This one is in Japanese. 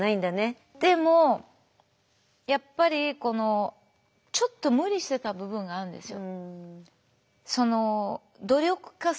でもやっぱりこのちょっと無理してた部分があるんですよ。